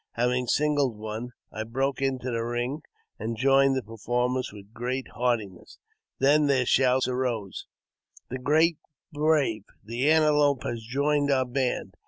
Having singled one, I broke into the ring, and joined the performance with great heartiness. Then their shouts Arose, '' The great brave, the Antelope, has joined our band